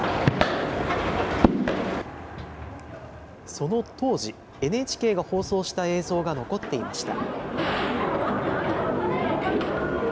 その当時、ＮＨＫが放送した映像が残っていました。